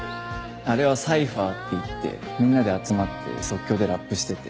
あれはサイファーっていってみんなで集まって即興でラップしてて。